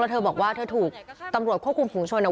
แล้วเธอบอกว่าเธอถูกตำรวจควบคุมขุมชน